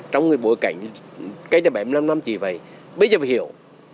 trong bối cảnh cái đảm bảo năm năm chỉ vậy bây giờ phải hiểu